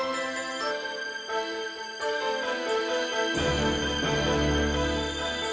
balas mereka dengan setimbang